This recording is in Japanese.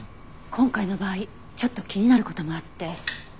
今回の場合ちょっと気になる事もあって。